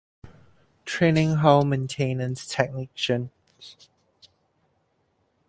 Training Hull Maintenance Technicians.